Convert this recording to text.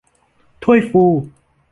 ถ้วยฟู